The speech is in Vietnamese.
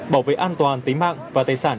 bảo vệ an toàn tính mạng và tài sản